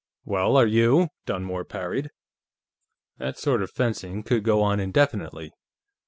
"Well, are you?" Dunmore parried. That sort of fencing could go on indefinitely.